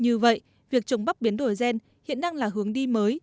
như vậy việc trồng bắp biến đổi gen hiện đang là hướng đi mới